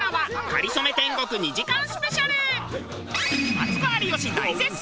マツコ有吉大絶賛！